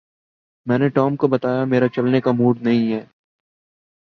میں نے ٹام کو بتایا میرا چلنے کا موڈ نہیں ہے